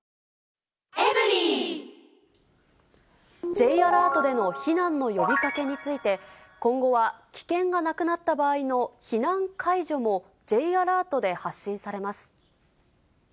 Ｊアラートでの避難の呼びかけについて、今後は危険がなくなった場合の避難解除もＪアラートで発信されます。